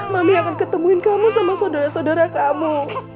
mami akan ketemuin kamu sama saudara saudara kamu